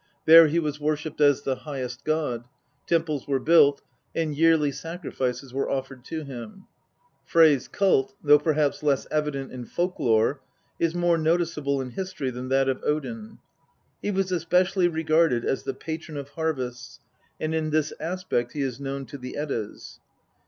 There he was worshipped as the highest god ; temples were built, and yearly sacrifices were offered to him. Frey's cult, though perhaps less evident in folk lore, is more noticeable in history than that of Odin. He was especially regarded as the patron of harvests, and in this aspect he is known to the Eddas.